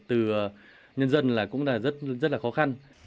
từ nhân dân là cũng rất là khó khăn